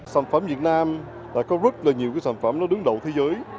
sản phẩm việt nam có rất nhiều sản phẩm đứng đầu thế giới